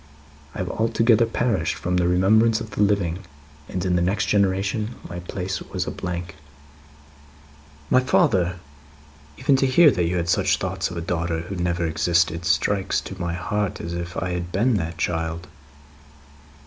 I have altogether perished from the remembrance of the living, and in the next generation my place was a blank." "My father! Even to hear that you had such thoughts of a daughter who never existed, strikes to my heart as if I had been that child."